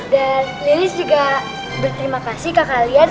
dan lilis juga berterima kasih ke kalian